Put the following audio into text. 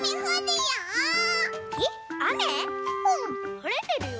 はれてるよ。